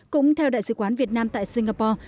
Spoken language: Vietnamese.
cũng theo đại sứ quán việt nam tại singapore